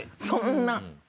そんな。